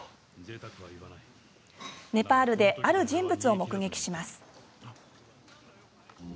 ネパールである人物を目撃します。